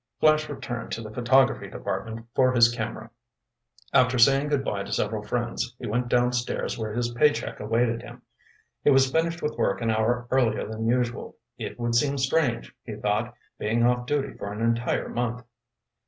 Flash returned to the photography department for his camera. After saying good bye to several friends, he went downstairs where his pay check awaited him. He was finished with work an hour earlier than usual. It would seem strange, he thought, being off duty for an entire month.